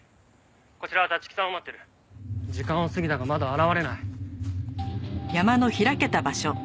こちらは立木さんを待ってる」時間は過ぎたがまだ現れない。